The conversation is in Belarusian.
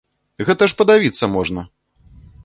Гэта ж падавіцца можна!